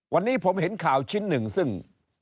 วันนี้ผมเห็นข่าวชิ้นหนึ่งซึ่ง